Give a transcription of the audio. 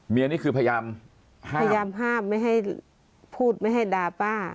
นี่คือพยายามห้ามพยายามห้ามไม่ให้พูดไม่ให้ด่าป้า